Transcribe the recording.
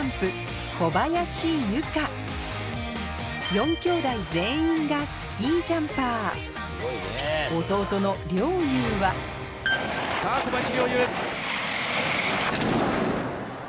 ４きょうだい全員がスキージャンパー弟の陵侑はさぁ小林陵侑。